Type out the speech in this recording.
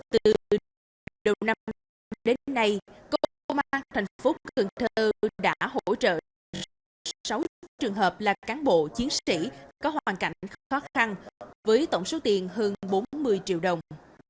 từ đầu năm đến nay công an thành phố cần thơ đã hỗ trợ sáu trường hợp là cán bộ chiến sĩ có hoàn cảnh khó khăn với tổng số tiền hơn bốn mươi triệu đồng